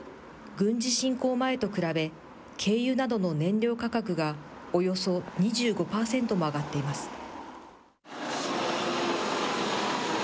軍事侵攻前と比べ、軽油などの燃料価格がおよそ２５％も上がっています。